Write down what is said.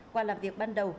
qua làm việc ban đầu